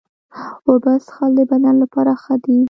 اوبه څښل د بدن لپاره ښه دي.